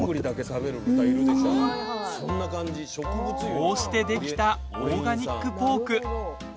こうしてできたオーガニックポーク。